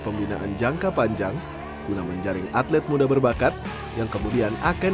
pembinaan jangka panjang guna menjaring atlet muda berbakat yang kemudian akan